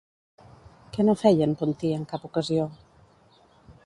Què no feia en Puntí en cap ocasió?